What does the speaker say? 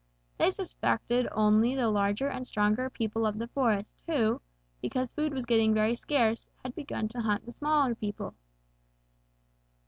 They suspected only the larger and stronger people of the forest who, because food was getting very scarce, had begun to hunt the smaller people.